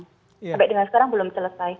sampai dengan sekarang belum selesai